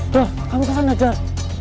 tuh kamu ke sana jal